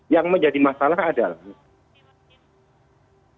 yang menjadi masalah adalah